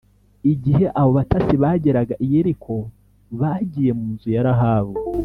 Igihe abo batasi bageraga i Yeriko bagiye mu nzu ya Rahabu